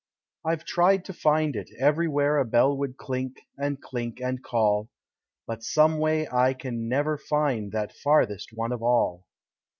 I've tried to find it, everywhere A bell would clink, and clink, and call; But someway I can never find That Farthest One of all.